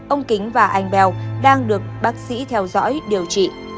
ông kính và anh bèo đang được bác sĩ theo dõi điều trị